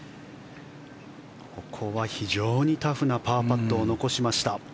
ここは非常にタフなパーパットを残しました。